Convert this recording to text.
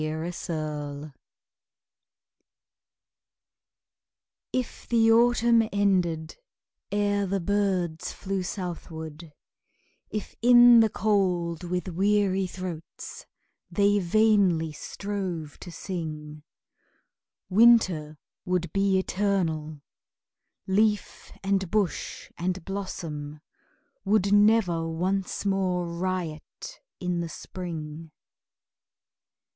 THE ENDURING If the autumn ended Ere the birds flew southward, If in the cold with weary throats They vainly strove to sing, Winter would be eternal; Leaf and bush and blossom Would never once more riot In the spring.